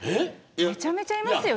めちゃめちゃいますよ